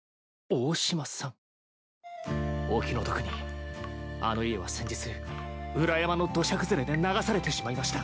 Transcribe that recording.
お気の毒にあの家は先日裏山の土砂崩れで流されてしまいました。